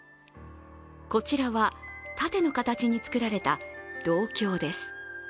こちらは盾の形に作られた銅鏡です。